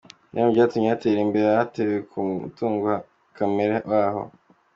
Bimwe mu byatumye hatera imbere haherewe ku mutungo kamere waho.